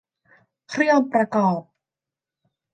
เครื่องประกอบ